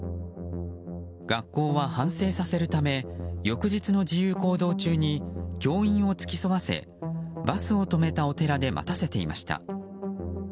学校は反省させるため翌日の自由行動中に教員を付き添わせバスを止めたお寺で待たせていました。